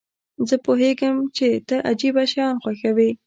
زه پوهیږم چې ته عجیبه شیان خوښوې.